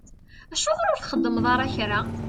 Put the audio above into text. Acuɣeṛ ur txeddmeḍ ara kra?